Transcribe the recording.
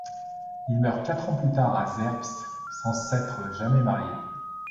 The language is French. Il meurt quatre ans plus tard à Zerbst sans s'être jamais marié.